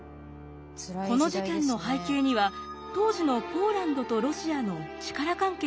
この事件の背景には当時のポーランドとロシアの力関係がありました。